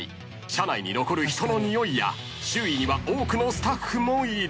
［車内に残る人のにおいや周囲には多くのスタッフもいる］